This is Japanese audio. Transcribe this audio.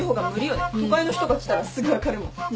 都会の人が来たらすぐ分かるもん。